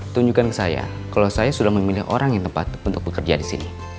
tunjukkan ke saya kalau saya sudah memilih orang yang tepat untuk bekerja di sini